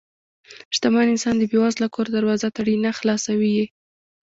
شتمن انسان د بې وزله کور دروازه تړي نه، خلاصوي یې.